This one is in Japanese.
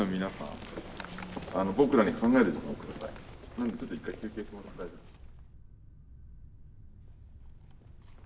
なのでちょっと一回休憩してもらって大丈夫です。